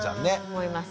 思います。